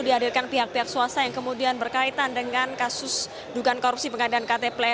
dihadirkan pihak pihak swasta yang kemudian berkaitan dengan kasus dugaan korupsi pengadaan ktp